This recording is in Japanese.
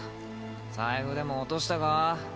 財布でも落としたか？